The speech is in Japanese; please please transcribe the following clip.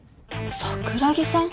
桜木さん？